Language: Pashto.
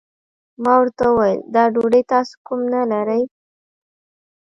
ما ورته وويل دا ډوډۍ تاسو کوم نه لرئ؟